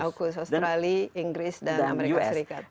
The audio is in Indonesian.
aukus australia inggris dan amerika serikat